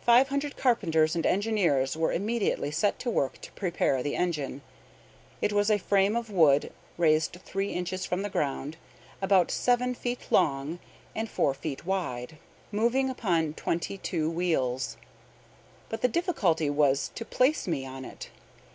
Five hundred carpenters and engineers were immediately set to work to prepare the engine. It was a frame of wood, raised three inches from the ground, about seven feet long and four wide, moving upon twenty two wheels. But the difficulty was to place me on it.